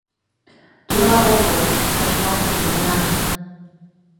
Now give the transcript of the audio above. Тура огыл — важмалдыкын гына.